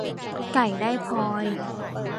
ไก่ได้พลอย